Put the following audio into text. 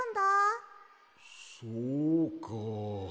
そうか。